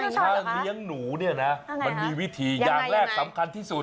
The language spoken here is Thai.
ถ้าเลี้ยงหนูเนี่ยนะมันมีวิธีอย่างแรกสำคัญที่สุด